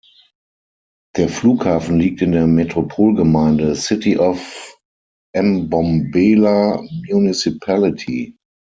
Der Flughafen liegt in der Metropolgemeinde City of Mbombela Municipality.